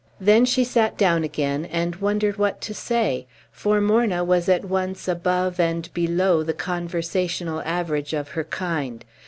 Then she sat down again, and wondered what to say; for Morna was at once above and below the conversational average of her kind.